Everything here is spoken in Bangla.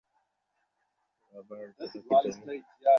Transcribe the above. রবার্ট, ওটা কি তুমি?